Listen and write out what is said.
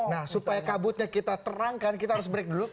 nah supaya kabutnya kita terangkan kita harus break dulu